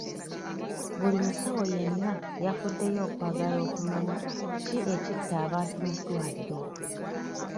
Buli musawo yenna yafuddeyo okwagala okumanya ki ekitta abantu mu ddwaliro?